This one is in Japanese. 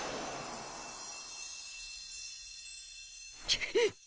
くっ！